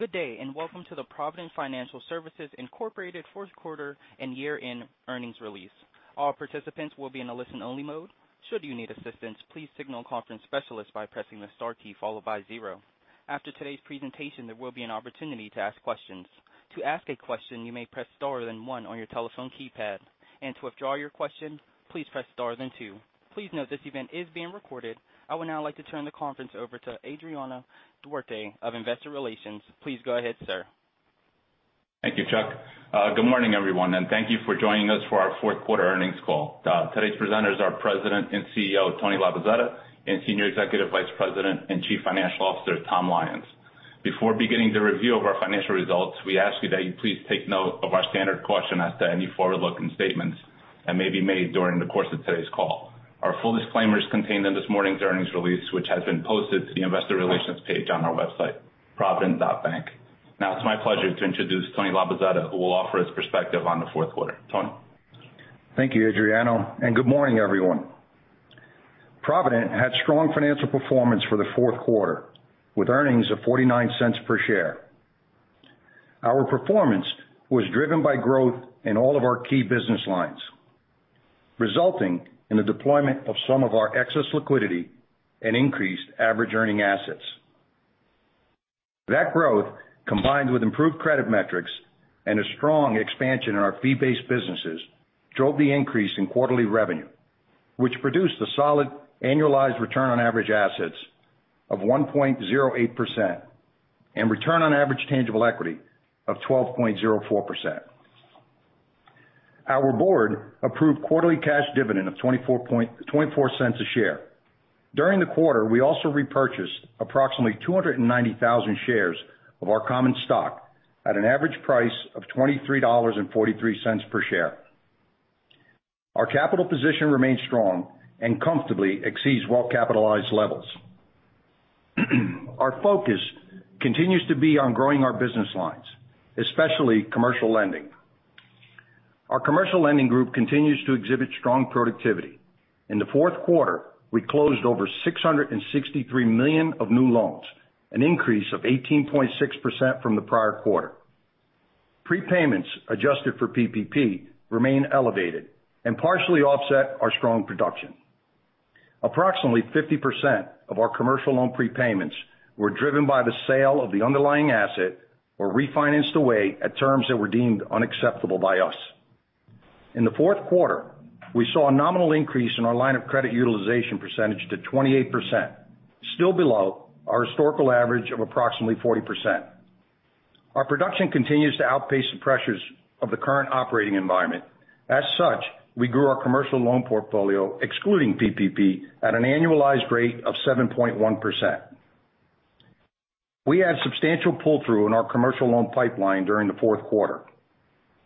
Good day, and welcome to the Provident Financial Services, Inc. fourth quarter and year-end earnings release. All participants will be in a listen-only mode. Should you need assistance, please signal a conference specialist by pressing the star key followed by zero. After today's presentation, there will be an opportunity to ask questions. To ask a question, you may press star then one on your telephone keypad. To withdraw your question, please press star then two. Please note this event is being recorded. I would now like to turn the conference over to Adriano Duarte of Investor Relations. Please go ahead, sir. Thank you, Chuck. Good morning, everyone, and thank you for joining us for our fourth quarter earnings call. Today's presenters are President and CEO, Tony Labozzetta, and Senior Executive Vice President and Chief Financial Officer, Tom Lyons. Before beginning the review of our financial results, we ask that you please take note of our standard caution as to any forward-looking statements that may be made during the course of today's call. Our full disclaimer is contained in this morning's earnings release, which has been posted to the investor relations page on our website, provident.bank. Now it's my pleasure to introduce Tony Labozzetta, who will offer his perspective on the fourth quarter. Tony. Thank you, Adriano, and good morning, everyone. Provident had strong financial performance for the fourth quarter, with earnings of $0.49 per share. Our performance was driven by growth in all of our key business lines, resulting in the deployment of some of our excess liquidity and increased average earning assets. That growth, combined with improved credit metrics and a strong expansion in our fee-based businesses, drove the increase in quarterly revenue, which produced a solid annualized return on average assets of 1.08% and return on average tangible equity of 12.04%. Our board approved quarterly cash dividend of $0.24 per share. During the quarter, we also repurchased approximately 290,000 shares of our common stock at an average price of $23.43 per share. Our capital position remains strong and comfortably exceeds well-capitalized levels. Our focus continues to be on growing our business lines, especially commercial lending. Our commercial lending group continues to exhibit strong productivity. In the fourth quarter, we closed over $663 million of new loans, an increase of 18.6% from the prior quarter. Prepayments adjusted for PPP remain elevated and partially offset our strong production. Approximately 50% of our commercial loan prepayments were driven by the sale of the underlying asset or refinanced away at terms that were deemed unacceptable by us. In the fourth quarter, we saw a nominal increase in our line of credit utilization percentage to 28%, still below our historical average of approximately 40%. Our production continues to outpace the pressures of the current operating environment. As such, we grew our commercial loan portfolio, excluding PPP, at an annualized rate of 7.1%. We had substantial pull-through in our commercial loan pipeline during the fourth quarter.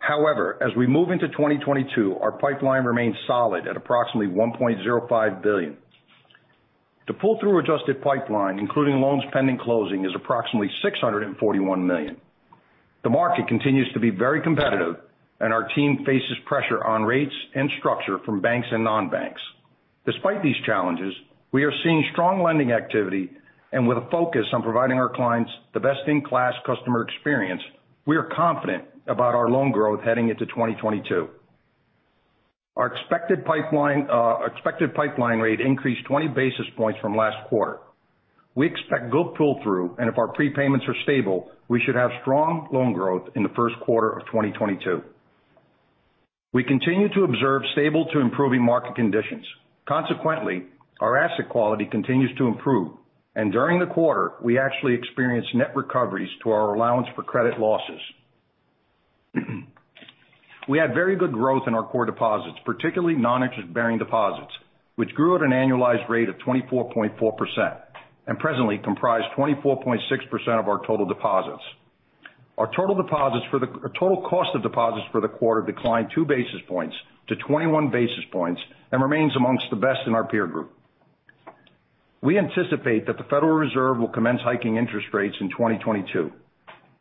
However, as we move into 2022, our pipeline remains solid at approximately $1.05 billion. The pull-through adjusted pipeline, including loans pending closing, is approximately $641 million. The market continues to be very competitive and our team faces pressure on rates and structure from banks and non-banks. Despite these challenges, we are seeing strong lending activity and with a focus on providing our clients the best-in-class customer experience, we are confident about our loan growth heading into 2022. Our expected pipeline rate increased 20 basis points from last quarter. We expect good pull-through, and if our prepayments are stable, we should have strong loan growth in the first quarter of 2022. We continue to observe stable to improving market conditions. Consequently, our asset quality continues to improve. During the quarter, we actually experienced net recoveries to our allowance for credit losses. We had very good growth in our core deposits, particularly non-interest-bearing deposits, which grew at an annualized rate of 24.4% and presently comprise 24.6% of our total deposits. Our total cost of deposits for the quarter declined two basis points to 21 basis points and remains amongst the best in our peer group. We anticipate that the Federal Reserve will commence hiking interest rates in 2022.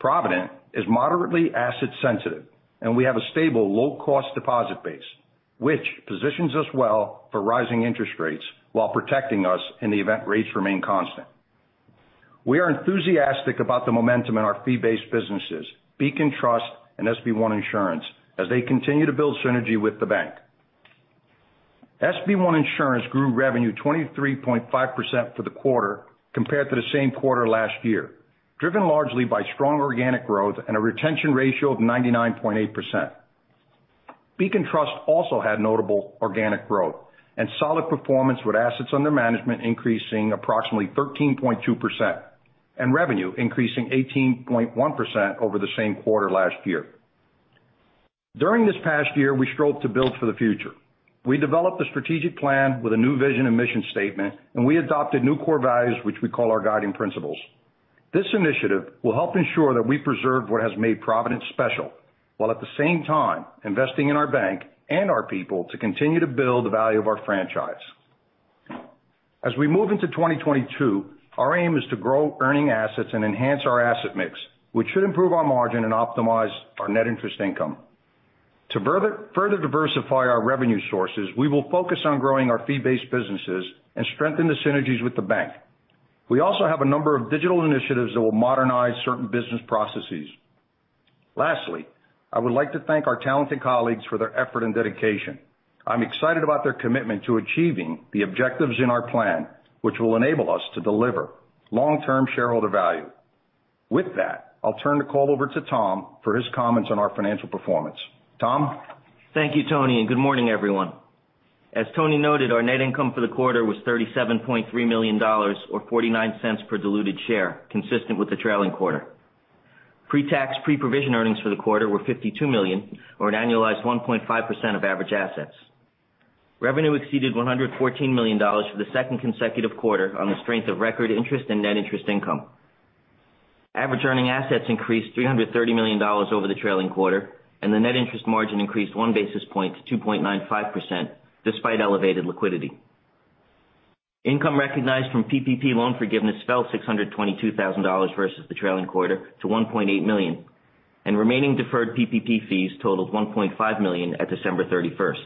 Provident is moderately asset sensitive, and we have a stable low-cost deposit base, which positions us well for rising interest rates while protecting us in the event rates remain constant. We are enthusiastic about the momentum in our fee-based businesses, Beacon Trust and SB One Insurance, as they continue to build synergy with the bank. SB One Insurance grew revenue 23.5% for the quarter compared to the same quarter last year, driven largely by strong organic growth and a retention ratio of 99.8%. Beacon Trust also had notable organic growth and solid performance with assets under management increasing approximately 13.2% and revenue increasing 18.1% over the same quarter last year. During this past year, we strove to build for the future. We developed a strategic plan with a new vision and mission statement, and we adopted new core values, which we call our guiding principles. This initiative will help ensure that we preserve what has made Provident special, while at the same time investing in our bank and our people to continue to build the value of our franchise. As we move into 2022, our aim is to grow earning assets and enhance our asset mix, which should improve our margin and optimize our net interest income. To further diversify our revenue sources, we will focus on growing our fee-based businesses and strengthen the synergies with the bank. We also have a number of digital initiatives that will modernize certain business processes. Lastly, I would like to thank our talented colleagues for their effort and dedication. I'm excited about their commitment to achieving the objectives in our plan, which will enable us to deliver long-term shareholder value. With that, I'll turn the call over to Tom for his comments on our financial performance. Tom? Thank you, Tony, and good morning, everyone. As Tony noted, our net income for the quarter was $37.3 million or $0.49 per diluted share, consistent with the trailing quarter. Pre-tax, pre-provision earnings for the quarter were $52 million or an annualized 1.5% of average assets. Revenue exceeded $114 million for the second consecutive quarter on the strength of record interest and net interest income. Average earning assets increased $330 million over the trailing quarter, and the net interest margin increased 1 basis point to 2.95% despite elevated liquidity. Income recognized from PPP loan forgiveness fell $622,000 versus the trailing quarter to $1.8 million, and remaining deferred PPP fees totaled $1.5 million at December 31st.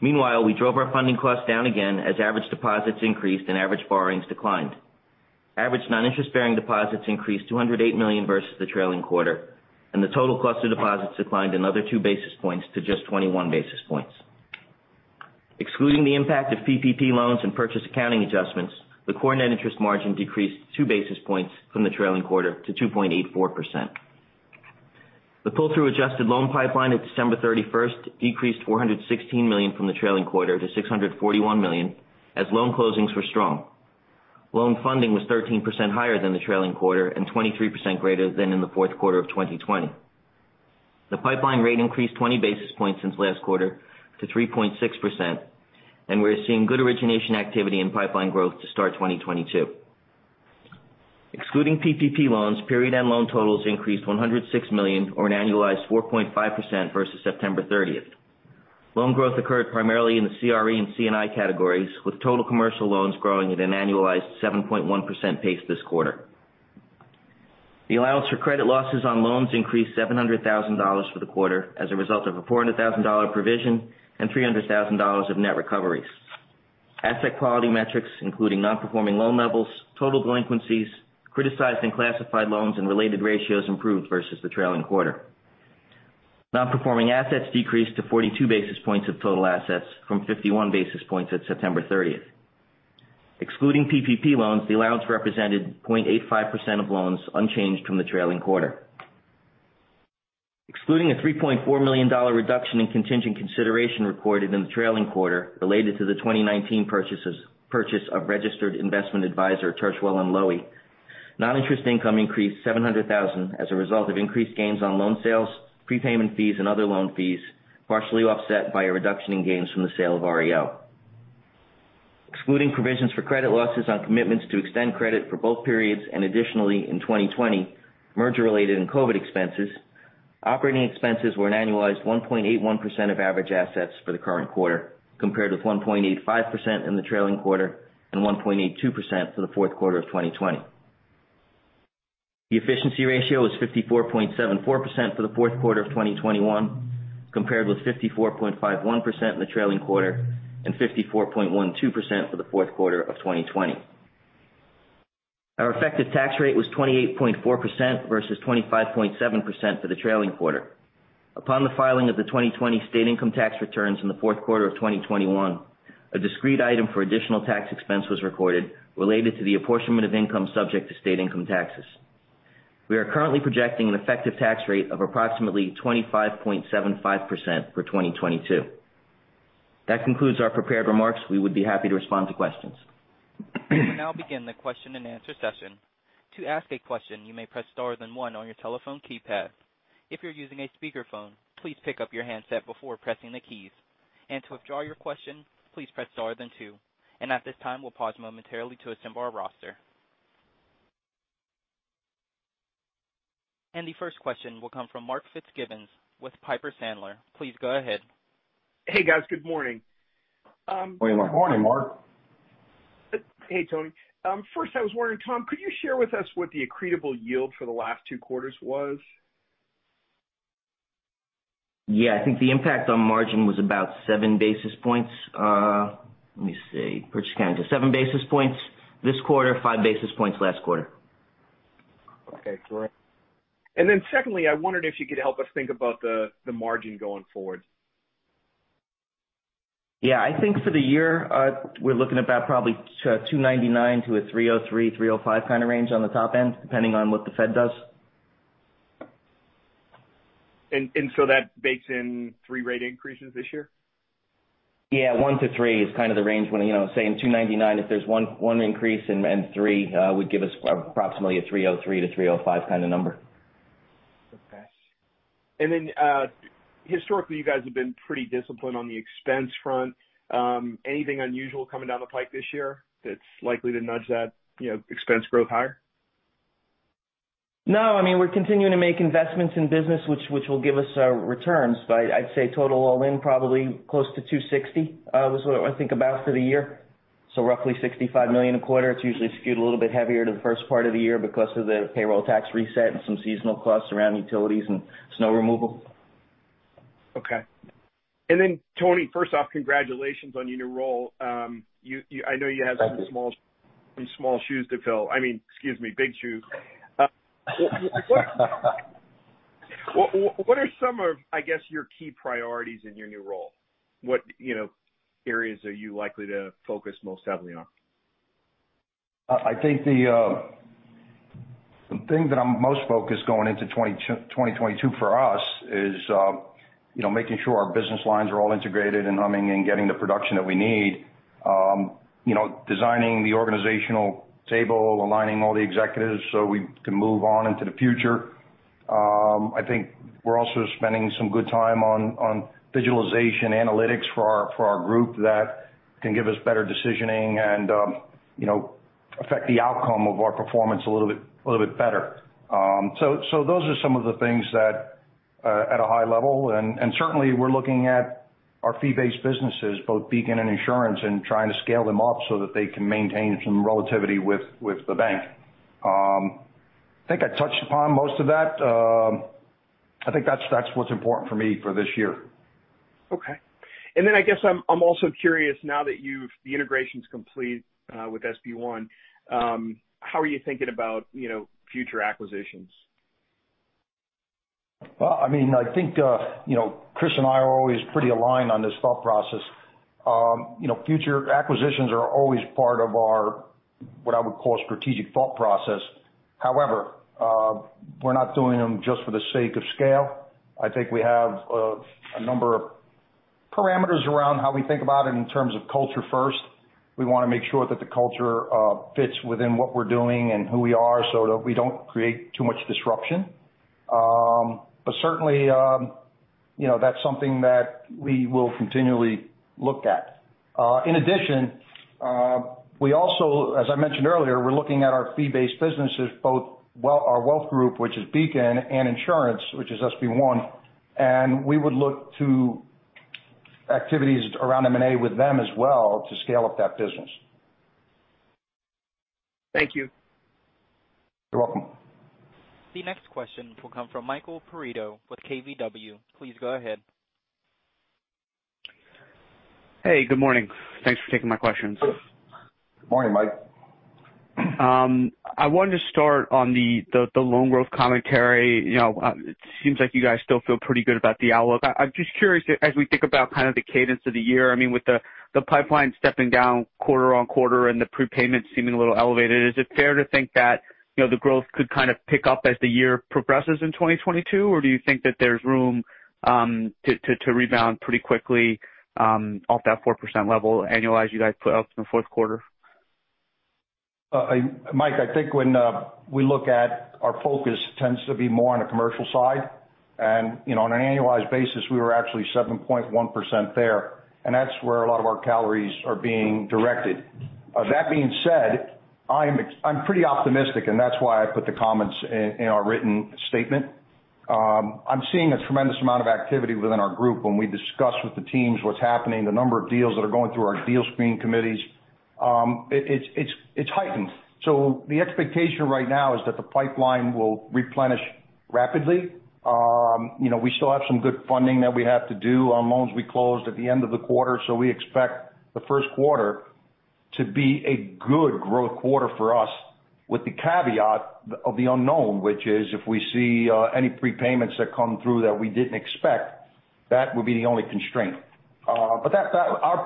Meanwhile, we drove our funding costs down again as average deposits increased and average borrowings declined. Average non-interest-bearing deposits increased $208 million versus the trailing quarter, and the total cost of deposits declined another 2 basis points to just 21 basis points. Excluding the impact of PPP loans and purchase accounting adjustments, the core net interest margin decreased 2 basis points from the trailing quarter to 2.84%. The pull-through adjusted loan pipeline at December 31 decreased $416 million from the trailing quarter to $641 million as loan closings were strong. Loan funding was 13% higher than the trailing quarter and 23% greater than in the fourth quarter of 2020. The pipeline rate increased 20 basis points since last quarter to 3.6%, and we're seeing good origination activity and pipeline growth to start 2022. Excluding PPP loans, period end loan totals increased $106 million or an annualized 4.5% versus September 30th. Loan growth occurred primarily in the CRE and C&I categories, with total commercial loans growing at an annualized 7.1% pace this quarter. The allowance for credit losses on loans increased $700,000 for the quarter as a result of a $400,000 provision and $300,000 of net recoveries. Asset quality metrics, including non-performing loan levels, total delinquencies, criticized and classified loans, and related ratios improved versus the trailing quarter. Non-performing assets decreased to 42 basis points of total assets from 51 basis points at September 30th. Excluding PPP loans, the allowance represented 0.85% of loans unchanged from the trailing quarter. Excluding a $3.4 million reduction in contingent consideration recorded in the trailing quarter related to the 2019 purchase of registered investment advisor Tirschwell & Loewy, non-interest income increased $700,000 as a result of increased gains on loan sales, prepayment fees, and other loan fees, partially offset by a reduction in gains from the sale of REO. Excluding provisions for credit losses on commitments to extend credit for both periods and additionally in 2020, merger-related and COVID expenses, operating expenses were an annualized 1.81% of average assets for the current quarter, compared with 1.85% in the trailing quarter and 1.82% for the fourth quarter of 2020. The efficiency ratio was 54.74% for the fourth quarter of 2021, compared with 54.51% in the trailing quarter and 54.12% for the fourth quarter of 2020. Our effective tax rate was 28.4% versus 25.7% for the trailing quarter. Upon the filing of the 2020 state income tax returns in the fourth quarter of 2021, a discrete item for additional tax expense was recorded related to the apportionment of income subject to state income taxes. We are currently projecting an effective tax rate of approximately 25.75% for 2022. That concludes our prepared remarks. We would be happy to respond to questions. We'll now begin the question and answer session. To ask a question, you may press star then one on your telephone keypad. If you're using a speakerphone, please pick up your handset before pressing the keys. To withdraw your question, please press star then two. At this time, we'll pause momentarily to assemble our roster. The first question will come from Mark Fitzgibbon with Piper Sandler. Please go ahead. Hey, guys. Good morning. Good morning, Mark. Hey, Tony. First I was wondering, Tom, could you share with us what the accretable yield for the last two quarters was? Yeah. I think the impact on margin was about 7 basis points. Let me see. Purchase accounting is 7 basis points this quarter, 5 basis points last quarter. Okay, great. Secondly, I wondered if you could help us think about the margin going forward. Yeah. I think for the year, we're looking about probably $299-$303, $299-$305 kind of range on the top end, depending on what the Fed does. That bakes in 3 rate increases this year? Yeah, 1-3 is kind of the range when, you know, say in $299, if there's 1 increase and 3, would give us approximately a $303-$305 kind of number. Okay. Historically, you guys have been pretty disciplined on the expense front. Anything unusual coming down the pipe this year that's likely to nudge that, you know, expense growth higher? No. I mean, we're continuing to make investments in business which will give us returns. I'd say total all-in probably close to $260 million was what I think about for the year. Roughly $65 million a quarter. It's usually skewed a little bit heavier to the first part of the year because of the payroll tax reset and some seasonal costs around utilities and snow removal. Okay. Tony, first off, congratulations on your new role. I know you have- Thank you. Some small shoes to fill. I mean, excuse me, big shoes. What are some of, I guess, your key priorities in your new role? What, you know, areas are you likely to focus most heavily on? I think the thing that I'm most focused going into 2022 for us is, you know, making sure our business lines are all integrated and humming and getting the production that we need. You know, designing the organizational table, aligning all the executives so we can move on into the future. I think we're also spending some good time on visualization analytics for our group that can give us better decisioning and, you know, affect the outcome of our performance a little bit better. So those are some of the things that at a high level. Certainly we're looking at our fee-based businesses, both Beacon and Insurance, and trying to scale them up so that they can maintain some relativity with the bank. I think I touched upon most of that. I think that's what's important for me for this year. Okay. I guess I'm also curious now that the integration is complete with SB One, how are you thinking about future acquisitions? Well, I mean, I think, you know, Chris and I are always pretty aligned on this thought process. You know, future acquisitions are always part of our, what I would call strategic thought process. However, we're not doing them just for the sake of scale. I think we have a number of parameters around how we think about it in terms of culture first. We want to make sure that the culture fits within what we're doing and who we are, so that we don't create too much disruption. Certainly, you know, that's something that we will continually look at. In addition, we also, as I mentioned earlier, we're looking at our fee-based businesses, both our wealth group, which is Beacon and Insurance, which is SB One, and we would look to activities around M&A with them as well to scale up that business. Thank you. You're welcome. The next question will come from Michael Perito with KBW. Please go ahead. Hey, good morning. Thanks for taking my questions. Good morning, Mike. I wanted to start on the loan growth commentary. You know, it seems like you guys still feel pretty good about the outlook. I'm just curious, as we think about kind of the cadence of the year. I mean, with the pipeline stepping down quarter-over-quarter and the prepayments seeming a little elevated, is it fair to think that, you know, the growth could kind of pick up as the year progresses in 2022? Or do you think that there's room to rebound pretty quickly off that 4% level annualized you guys put up in the fourth quarter? Mike, I think when we look at our focus tends to be more on the commercial side. You know, on an annualized basis, we were actually 7.1% there, and that's where a lot of our calories are being directed. That being said, I'm pretty optimistic, and that's why I put the comments in our written statement. I'm seeing a tremendous amount of activity within our group when we discuss with the teams what's happening, the number of deals that are going through our deal screening committees. It's heightened. The expectation right now is that the pipeline will replenish rapidly. You know, we still have some good funding that we have to do on loans we closed at the end of the quarter. We expect the first quarter to be a good growth quarter for us with the caveat of the unknown, which is if we see any prepayments that come through that we didn't expect, that would be the only constraint. Our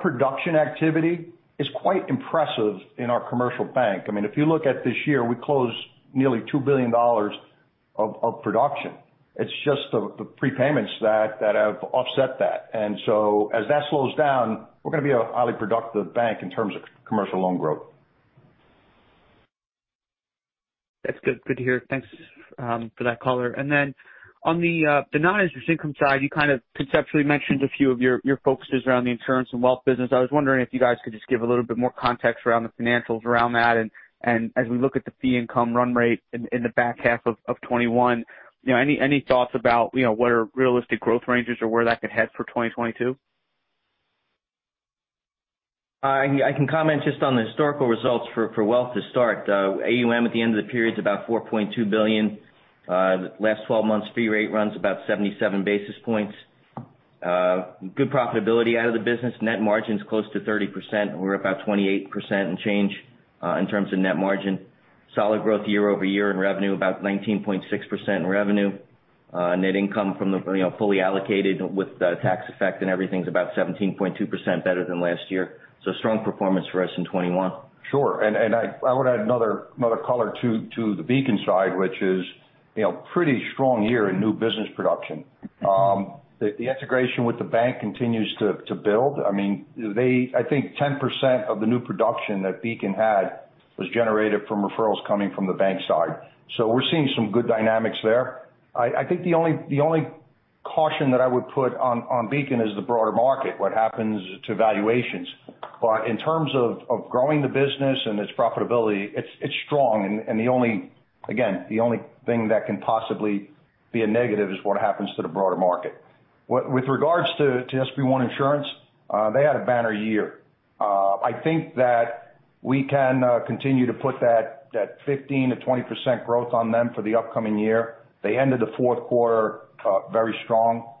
production activity is quite impressive in our commercial bank. I mean, if you look at this year, we closed nearly $2 billion of production. It's just the prepayments that have offset that. As that slows down, we're going to be a highly productive bank in terms of commercial loan growth. That's good. Good to hear. Thanks for that color. On the non-interest income side, you kind of conceptually mentioned a few of your focuses around the insurance and wealth business. I was wondering if you guys could just give a little bit more context around the financials around that. As we look at the fee income run rate in the back half of 2021, you know, any thoughts about, you know, what are realistic growth ranges or where that could head for 2022? I can comment just on the historical results for wealth to start. AUM at the end of the period is about $4.2 billion. The last 12 months fee rate runs about 77 basis points. Good profitability out of the business. Net margin's close to 30%. We're about 28% and change in terms of net margin. Solid growth year-over-year in revenue, about 19.6% revenue. Net income from the, you know, fully allocated with the tax effect and everything's about 17.2% better than last year. Strong performance for us in 2021. Sure. I would add another color to the Beacon side, which is, you know, pretty strong year in new business production. The integration with the bank continues to build. I mean, they, I think 10% of the new production that Beacon had was generated from referrals coming from the bank side. So we're seeing some good dynamics there. I think the only caution that I would put on Beacon is the broader market, what happens to valuations. But in terms of growing the business and its profitability, it's strong. The only thing that can possibly be a negative is what happens to the broader market. With regards to SB One Insurance, they had a banner year. I think that we can continue to put that 15%-20% growth on them for the upcoming year. They ended the fourth quarter very strong.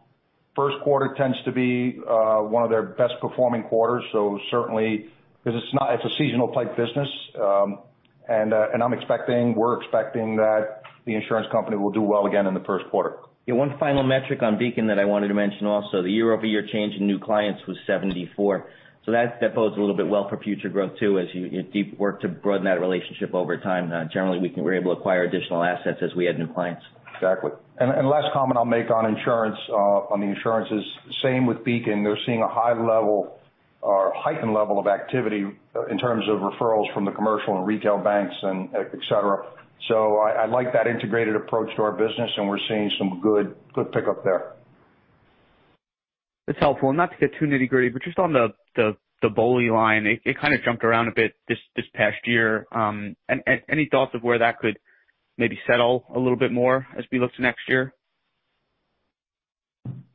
First quarter tends to be one of their best performing quarters. Certainly, because it's a seasonal type business. I'm expecting, we're expecting that the insurance company will do well again in the first quarter. One final metric on Beacon that I wanted to mention also. The year-over-year change in new clients was 74. That bodes a little bit well for future growth too, as you work to deepen that relationship over time. Generally, we're able to acquire additional assets as we add new clients. Exactly. Last comment I'll make on insurance is the same with Beacon. They're seeing a high level or heightened level of activity in terms of referrals from the commercial and retail banks and et cetera. I like that integrated approach to our business, and we're seeing some good pickup there. That's helpful. Not to get too nitty-gritty, but just on the BOLI line, it kind of jumped around a bit this past year. Any thoughts of where that could maybe settle a little bit more as we look to next year?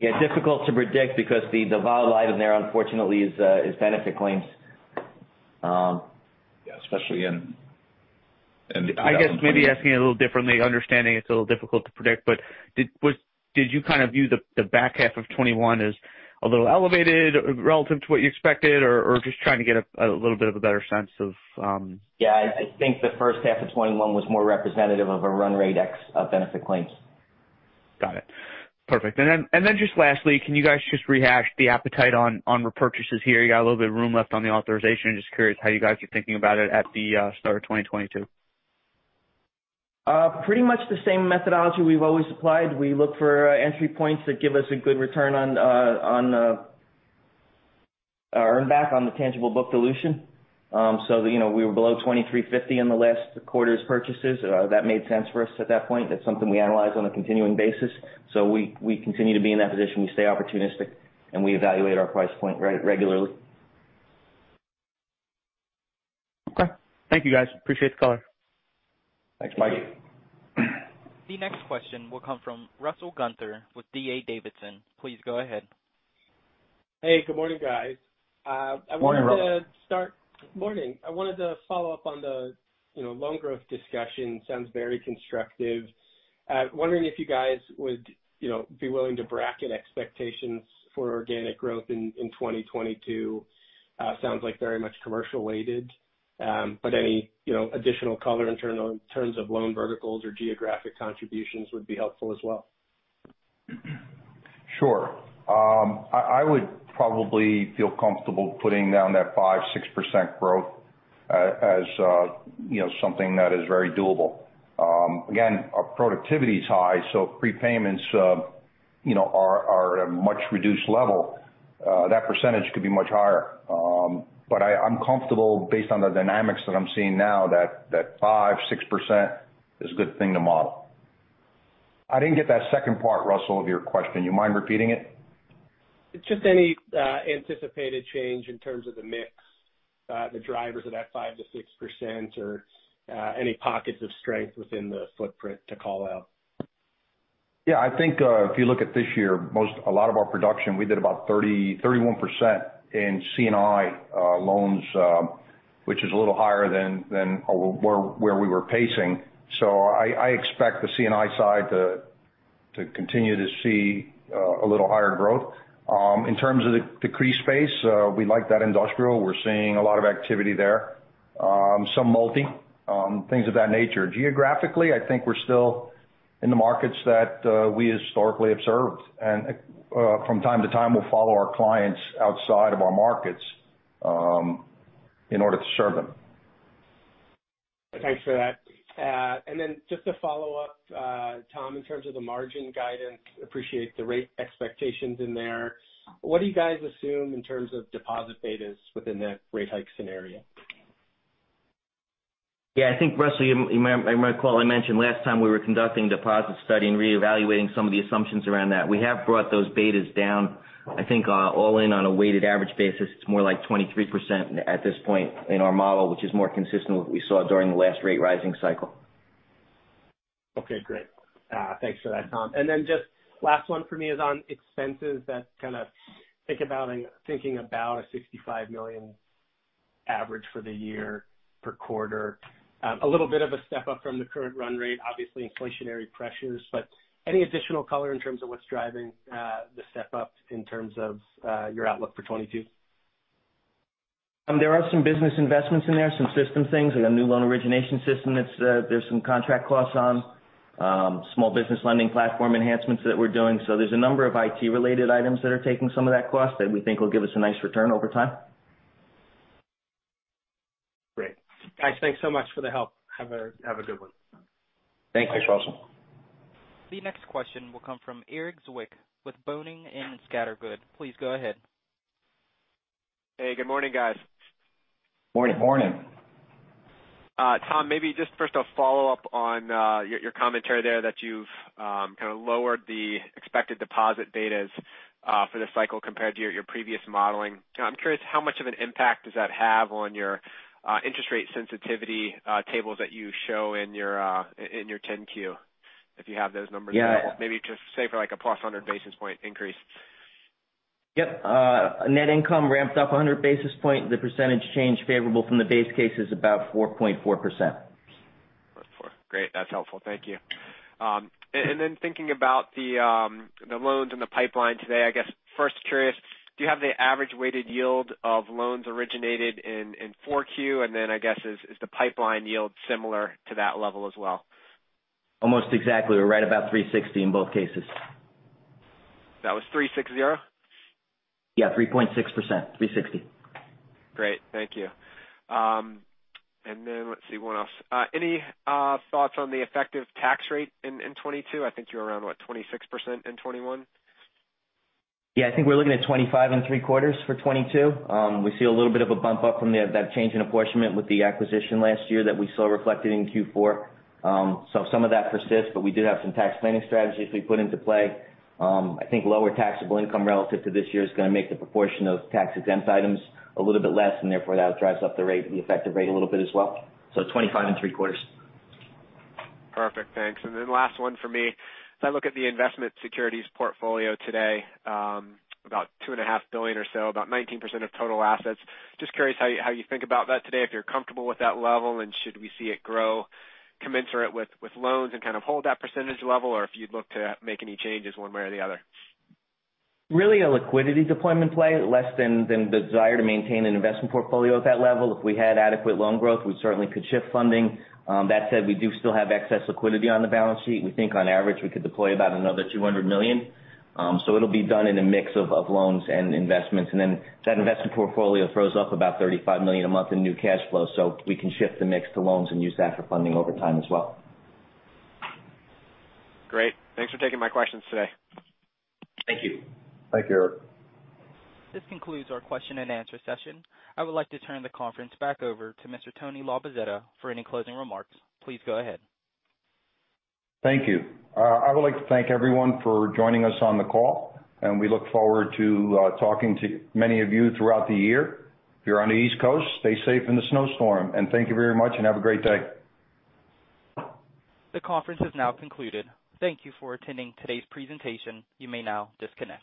Yeah. Difficult to predict because the volatile item there unfortunately is benefit claims. Yeah, especially in 2021. I guess maybe asking it a little differently, understanding it's a little difficult to predict. Did you kind of view the back half of 2021 as a little elevated relative to what you expected? Or just trying to get a little bit of a better sense of. Yeah. I think the first half of 2021 was more representative of a run rate ex benefit claims. Got it. Perfect. Then just lastly, can you guys just rehash the appetite on repurchases here? You got a little bit of room left on the authorization. Just curious how you guys are thinking about it at the start of 2022. Pretty much the same methodology we've always applied. We look for entry points that give us a good return on earn back on the tangible book dilution. You know, we were below $23.50 in the last quarter's purchases. That made sense for us at that point. That's something we analyze on a continuing basis. We continue to be in that position. We stay opportunistic, and we evaluate our price point regularly. Okay. Thank you, guys. Appreciate the color. Thanks, Mikey. Thanks. The next question will come from Russell Gunther with D.A. Davidson. Please go ahead. Hey, good morning, guys. Morning, Russell. I wanted to follow up on the, you know, loan growth discussion. Sounds very constructive. I'm wondering if you guys would, you know, be willing to bracket expectations for organic growth in 2022. It sounds like very much commercially weighted. But any, you know, additional color in terms of loan verticals or geographic contributions would be helpful as well. Sure. I would probably feel comfortable putting down that 5%-6% growth, you know, as something that is very doable. Again, our productivity's high, so prepayments, you know, are at a much reduced level. That percentage could be much higher. I'm comfortable based on the dynamics that I'm seeing now that 5%-6% is a good thing to model. I didn't get that second part, Russell, of your question. You mind repeating it? Just any anticipated change in terms of the mix, the drivers of that 5%-6% or any pockets of strength within the footprint to call out? Yeah. I think if you look at this year, most—a lot of our production, we did about 30%, 31% in C&I loans, which is a little higher than where we were pacing. I expect the C&I side to continue to see a little higher growth. In terms of the CRE space, we like that industrial. We're seeing a lot of activity there. Some multifamily things of that nature. Geographically, I think we're still in the markets that we historically have served. From time to time, we'll follow our clients outside of our markets in order to serve them. Thanks for that. Just to follow up, Tom, in terms of the margin guidance, I appreciate the rate expectations in there. What do you guys assume in terms of deposit betas within that rate hike scenario? Yeah. I think, Russell, you might recall I mentioned last time we were conducting deposit study and reevaluating some of the assumptions around that. We have brought those betas down, I think, all in on a weighted average basis. It's more like 23% at this point in our model, which is more consistent with what we saw during the last rate rising cycle. Okay. Great. Thanks for that, Tom. Then just last one for me is on expenses thinking about a $65 million average for the year per quarter. A little bit of a step up from the current run rate, obviously inflationary pressures. Any additional color in terms of what's driving the step up in terms of your outlook for 2022? There are some business investments in there, some system things. We got a new loan origination system. There's some contract costs on. Small business lending platform enhancements that we're doing. There's a number of IT-related items that are taking some of that cost that we think will give us a nice return over time. Great. Guys, thanks so much for the help. Have a good one. Thanks. Thanks, Russell. The next question will come from Erik Zwick with Boenning & Scattergood. Please go ahead. Hey, good morning, guys. Morning. Morning. Tom, maybe just first I'll follow up on your commentary there that you've kind of lowered the expected deposit betas for this cycle compared to your previous modeling. I'm curious how much of an impact does that have on your interest rate sensitivity tables that you show in your 10-Q, if you have those numbers available. Yeah. Maybe just say for like a +100 basis points increase. Yep. Net income ramped up 100 basis points. The percentage change favorable from the base case is about 4.4%. 4.4%. Great. That's helpful. Thank you. Thinking about the loans and the pipeline today, I guess. First, I'm curious, do you have the average weighted yield of loans originated in 4Q? I guess is the pipeline yield similar to that level as well? Almost exactly. We're right about 360 in both cases. That was 360? Yeah, 3.6%. 360. Great. Thank you. Any thoughts on the effective tax rate in 2022? I think you're around 26% in 2021. Yeah, I think we're looking at 25.75% for 2022. We see a little bit of a bump up from that change in apportionment with the acquisition last year that we saw reflected in Q4. Some of that persists, but we did have some tax planning strategies we put into play. I think lower taxable income relative to this year is gonna make the proportion of tax-exempt items a little bit less, and therefore, that drives up the rate, the effective rate a little bit as well. 25.75%. Perfect. Thanks. Last one for me. As I look at the investment securities portfolio today, about $2.5 billion or so, about 19% of total assets. Just curious how you think about that today, if you're comfortable with that level, and should we see it grow commensurate with loans and kind of hold that percentage level, or if you'd look to make any changes one way or the other? Really a liquidity deployment play less than the desire to maintain an investment portfolio at that level. If we had adequate loan growth, we certainly could shift funding. That said, we do still have excess liquidity on the balance sheet. We think on average, we could deploy about another $200 million. It'll be done in a mix of loans and investments. That investment portfolio throws up about $35 million a month in new cash flow, so we can shift the mix to loans and use that for funding over time as well. Great. Thanks for taking my questions today. Thank you. Thank you. This concludes our question and answer session. I would like to turn the conference back over to Mr. Tony Labozzetta for any closing remarks. Please go ahead. Thank you. I would like to thank everyone for joining us on the call, and we look forward to talking to many of you throughout the year. If you're on the East Coast, stay safe in the snowstorm. Thank you very much, and have a great day. The conference is now concluded. Thank you for attending today's presentation. You may now disconnect.